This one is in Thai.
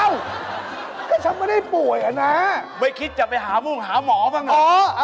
เอ้าก็ฉันไม่ได้ป่วยอ่ะนะไม่คิดจะไปหามุ่งหาหมอบ้างเหรอ